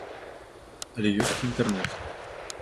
Але ёсць і інтэрнэт.